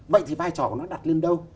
vậy thì vai trò của nó đặt lên đâu